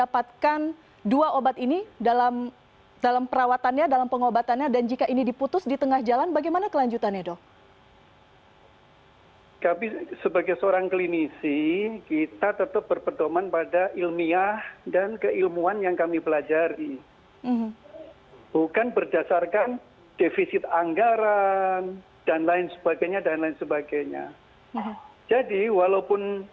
pdib menduga kebijakan tersebut diambil terlebih dahulu sebelum mendengar masukan dari dokter ahli yang menangani kasus